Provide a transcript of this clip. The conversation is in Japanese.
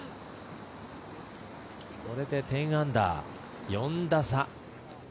これで１０アンダー４打差。